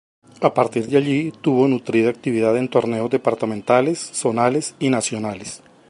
A partir de allí, tuvo nutrida actividad en torneos departamentales, zonales y nacionales.